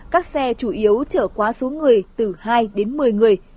các xe chủ yếu chở quá số người từ hai đến một mươi người